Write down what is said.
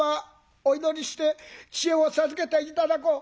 お祈りして知恵を授けて頂こう。